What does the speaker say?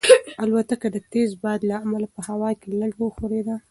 الوتکه د تېز باد له امله په هوا کې لږه وښورېده.